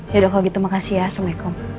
ya udah kalau gitu makasih ya assalamualaikum